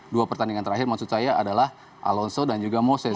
dua pertandingan terakhir maksud saya adalah alonso dan juga moses